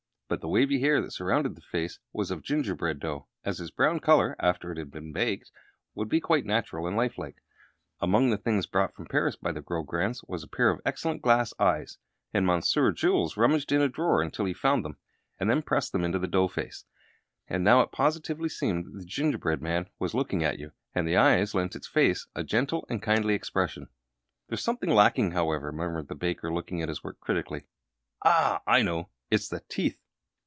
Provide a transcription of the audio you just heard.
But the wavy hair that surrounded the face was of gingerbread dough, as its brown color, after it had been baked, would be quite natural and lifelike. Among the things brought from Paris by the Grograndes was a pair of excellent glass eyes, and Monsieur Jules rummaged in a drawer until he found them, and then pressed them into the dough face. And now it positively seemed that the gingerbread man was looking at you, and the eyes lent its face a gentle and kindly expression. "There's something lacking, however," murmured the baker, looking at his work critically. "Ah, I know it's the teeth!"